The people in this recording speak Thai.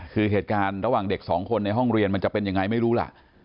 คือเหตุการณ์ระหว่างเด็กสองคนในห้องเรียนมันจะเป็นยังไงไม่รู้ล่ะ